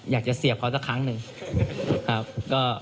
อยากจะเหี้ยเพามอักคอนขึ้นครับก็